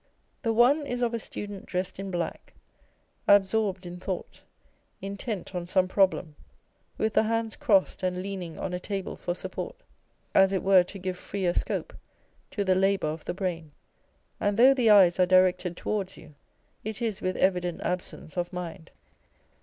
The one is of a student dressed in black, absorbed in thought, intent on some problem, with the hands crossed and leaning on a table for support, as it were to give freer scope to the labour of the brain, and though the eyes are directed towards you, it is with evident absence of mind.